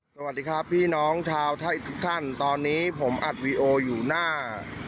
สวัสดีครับพี่น้องชาวไทยทุกท่านตอนนี้ผมอัดวีดีโออยู่หน้า